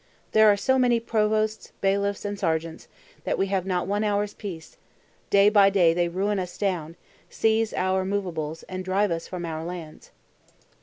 There are so many provosts, bailiffs, and sergeants, that we have not one hour's peace; day by day they run us down, seize our movables, and drive us from our lands.